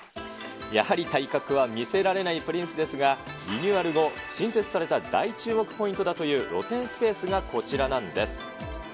やはり体格は見せられないプリンスですが、リニューアル後、新設された大注目ポイントだという、露天スペースがこちらなんです。